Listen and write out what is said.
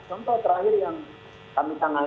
contoh terakhir yang kami sangat